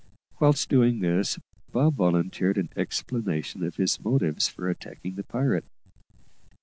Whilst doing this, Bob volunteered an explanation of his motives for attacking the pirate.